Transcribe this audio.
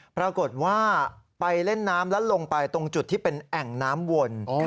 ปรากฏว่าไปเล่นน้ำแล้วลงไปตรงจุดที่เป็นแอ่งน้ำวน